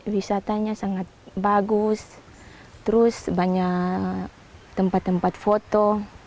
wisatanya sangat bagus terus banyak tempat tempat foto